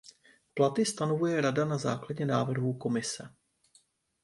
Platy stanovuje Rada na základě návrhů Komise.